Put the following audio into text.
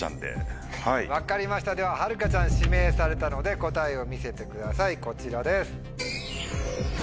分かりましたでははるかちゃん指名されたので答えを見せてくださいこちらです。